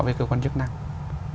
với cơ quan chức năng